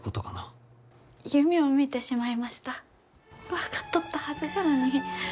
分かっとったはずじゃのに。